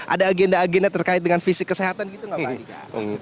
ada agenda agenda terkait dengan fisik kesehatan gitu nggak pak